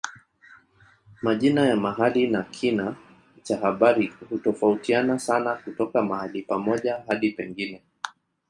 Majina ya mahali na kina cha habari hutofautiana sana kutoka mahali pamoja hadi pengine.